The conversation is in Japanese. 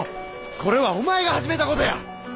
これはお前が始めたことや！